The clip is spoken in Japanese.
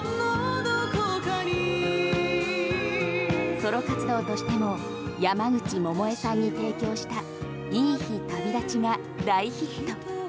ソロ活動としても山口百恵さんに提供した「いい日旅立ち」が大ヒット。